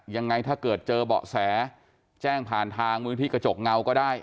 ยังไงถ้าเกิดเจอเบาะแสแจ้งผ่านทางมูลนิธิกระจกเงาก็ได้